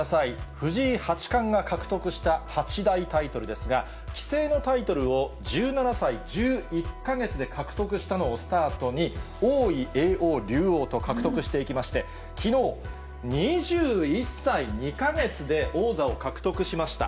藤井八冠が獲得した八大タイトルですが、棋聖のタイトルを１７歳１１か月で獲得したのをスタートに、王位、叡王、竜王と獲得していきまして、きのう、２１歳２か月で王座を獲得しました。